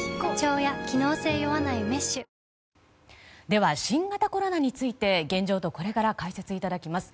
では、新型コロナについて現状とこれからを解説いただきます。